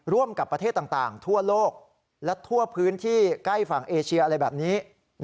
ร่วมกับประเทศต่างทั่วโลกและทั่วพื้นที่ใกล้ฝั่งเอเชียอะไรแบบนี้